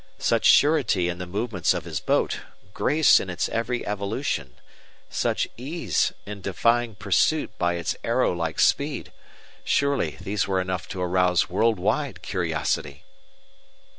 Such surety in the movements of his boat, grace in its every evolution, such ease in defying pursuit by its arrow like speed, surely, these were enough to arouse world wide curiosity!